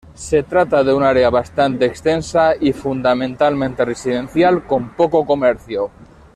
Se trata de un área bastante extensa y fundamentalmente residencial con poco comercio.